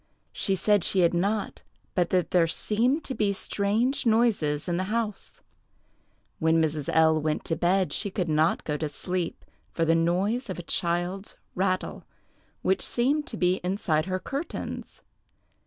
She said she had not, but that there seemed to be strange noises in the house. When Mrs. L—— went to bed, she could not go to sleep for the noise of a child's rattle, which seemed to be inside her curtains.